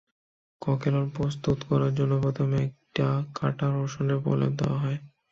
"ককেলন" প্রস্তুত করার জন্য প্রথমে একটা কাটা রসুনের প্রলেপ দেওয়া হয়।